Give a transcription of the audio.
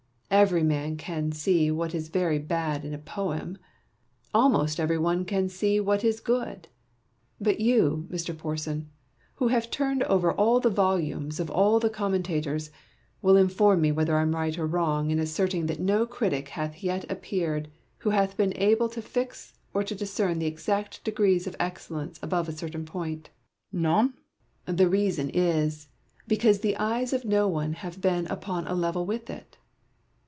Every man can see what is very bad in a poem ; almost l64 IMA GIN A R V CON VERS A TIONS. every one can. see what is very good : but you, Mr. Porson, who have turned over all the volumes of all the commenta tors, will inform me whether I am right or wrong in assert ing that no critic hath yet appeared who hath been able to fix or to discern the exact degrees of excellence above a certain point. Porson. None. Southey. The reason is, because the eyes of no one have been upon a level with it.